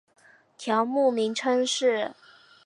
条目名称是